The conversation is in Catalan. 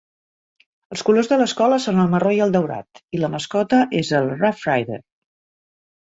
Els colors de l'escola són el marró i el daurat, i la mascota és el Roughrider.